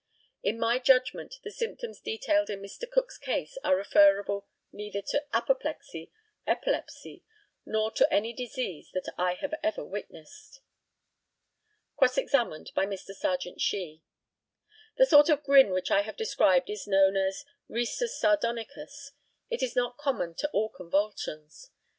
In my judgment, the symptoms detailed in Mr. Cook's case are referable neither to apoplexy, epilepsy, nor to any disease that I have ever witnessed. Cross examined by Mr. Serjeant SHEE: The sort of grin which I have described is known as risus sardonicus. It is not common to all convulsions.